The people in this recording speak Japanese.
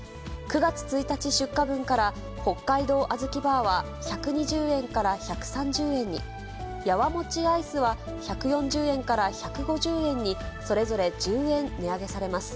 ９月１日出荷分から北海道あずきバーは１２０円から１３０円に、やわもちアイスは１４０円から１５０円に、それぞれ１０円値上げされます。